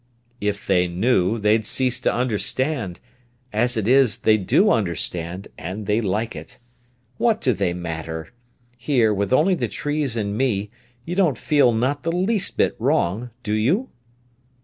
'" "If they knew, they'd cease to understand. As it is, they do understand, and they like it. What do they matter? Here, with only the trees and me, you don't feel not the least bit wrong, do you?"